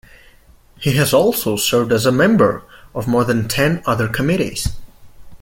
He has also served as a member of more than ten other committees.